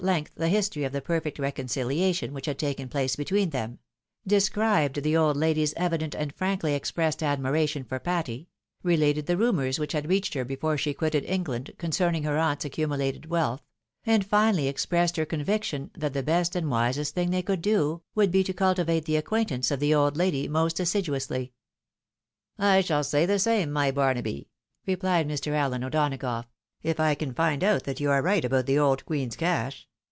length the history of the perfect reconciliation which had taken place between them — described the old lady's evident and frankly expressed admiration for Patty — related the rumours which had reached her before she quitted England, concerning her aunt's accumulated wealth — and finally expressed her con viction that the best and wisest thing they could do, would be to cultivate the acquaintance of the old lady most assiduously. " I shall say the same, my Barnaby," repKed Mr. Allen O'Donagough, " if I can find out that you are right about the old queen's cash.